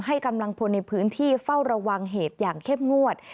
กำลังพลในพื้นที่เฝ้าระวังเหตุอย่างเข้มงวด